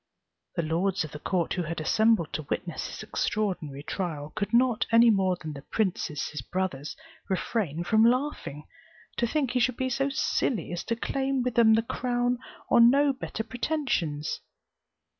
The lords of the court, who had assembled to witness this extraordinary trial, could not, any more than the princes his brothers, refrain from laughing, to think he should be so silly as to claim with them the crown on no better pretensions.